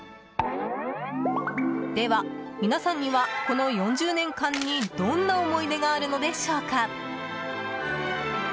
では、皆さんにはこの４０年間にどんな思い出があるのでしょうか。